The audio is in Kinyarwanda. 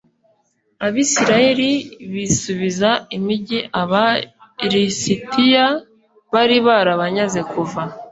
abisirayeli bisubiza imigi aba lisitiya bari barabanyaze kuva